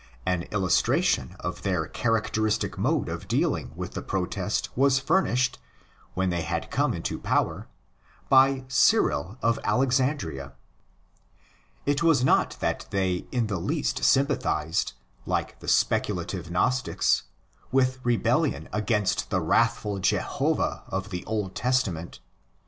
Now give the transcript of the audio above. An illustra tion of their characteristic mode of dealing with the protest was furnished, when they had come into power, by Cyril of Alexandria. It was not that they in the least sympathised, like the speculative Gnostics, with rebellion against the wrathful Jehovah of the Old Testament.